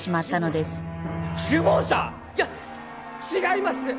いや違います！